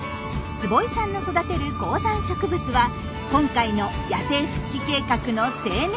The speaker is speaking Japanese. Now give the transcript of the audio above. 坪井さんの育てる高山植物は今回の野生復帰計画の生命線。